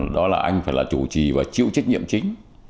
đó là anh phải là chủ trì và chịu trách nhiệm chính